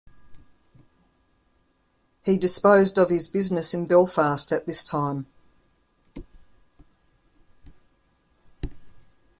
He disposed of his business in Belfast at this time.